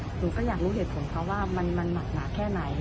หนูก็อยากรู้เหตุผลเขาว่ามันหนักหนาแค่ไหน